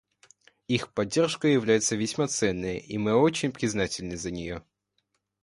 Их поддержка является весьма ценной, и мы очень признательны за нее.